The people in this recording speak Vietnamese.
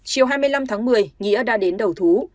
chiều hai mươi năm tháng một mươi nghĩa đã đến đầu thú